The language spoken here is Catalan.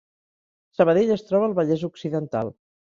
Sabadell es troba al Vallès Occidental